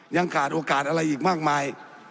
ยังขาดโอกาสอะไรอีกมากมาย